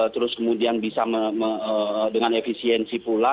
terus kemudian bisa dengan efisiensi pula